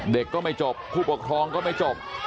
ก็ไม่จบผู้ปกครองก็ไม่จบ